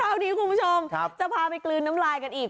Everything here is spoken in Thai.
คราวนี้คุณผู้ชมจะพาไปกลืนน้ำลายกันอีก